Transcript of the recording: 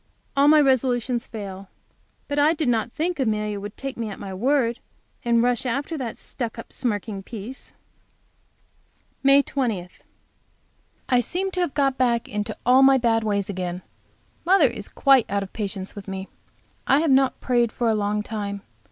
All my resolutions fail. But I did not think Amelia would take me at my word, and rush after that stuck up, smirking piece. May 20. I seem to have got back into all my bad ways again. Mother is quite out of patience with me. I have not prayed for a long time.